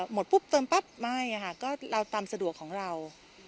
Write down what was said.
หมดปุ๊บเติมปั๊บไม่ค่ะก็เราตามสะดวกของเรา